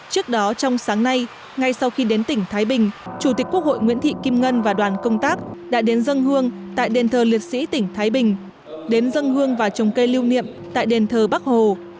trước đó trong sáng nay ngay sau khi đến tỉnh thái bình chủ tịch quốc hội nguyễn thị kim ngân và đoàn công tác đã đến dân hương tại đền thờ liệt sĩ tỉnh thái bình đến dân hương và trồng cây lưu niệm tại đền thờ bắc hồ